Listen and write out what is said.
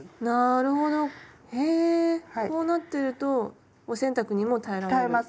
なるほど。へこうなってるとお洗濯にも耐えられる？